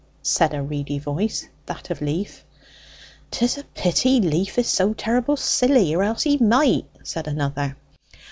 said a reedy voice that of Leaf. "'Tis a pity Leaf is so terrible silly, or else he might," said another.